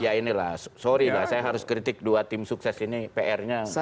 ya inilah sorry lah saya harus kritik dua tim sukses ini pr nya